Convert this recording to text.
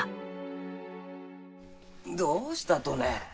どうしたとね？